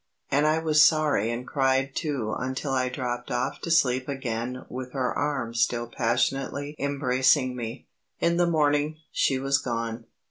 And I was sorry and cried too until I dropped off to sleep again with her arm still passionately embracing me. In the morning, she was gone.